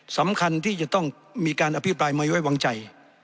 สำคัญที่จะต้องมีการอภิปรายไม่ไว้วางใจ